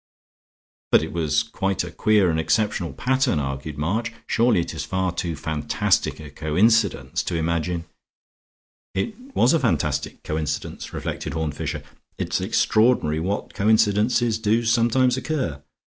"But it was quite a queer and exceptional pattern," argued March; "surely it is far too fantastic a coincidence to imagine " "It was a fantastic coincidence," reflected Horne Fisher. "It's extraordinary what coincidences do sometimes occur.